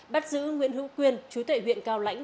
bắt giữ nguyễn hữu quyên chú tệ huyện cao lãnh